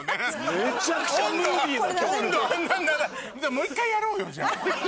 もう１回やろうよじゃあ。